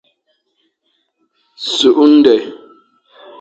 Sughde ndekh.